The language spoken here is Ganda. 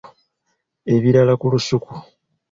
Ebirala ku lusuku.